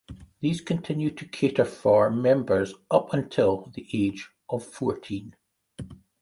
These continue to cater for members up until the age of fourteen.